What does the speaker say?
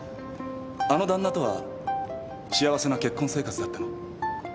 あの旦那とは幸せな結婚生活だったの？